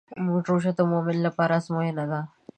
روژه د مؤمنانو لپاره ازموینه ده.